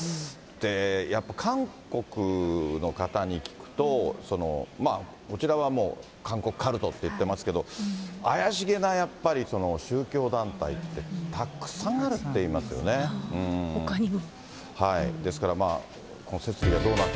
やっぱ韓国の方に聞くと、こちらはもう、韓国カルトっていってますけど、怪しげなやっぱり宗教団体って、ほかにも。